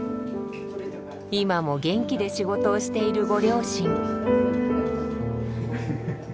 今も元気で仕事をしているご両親。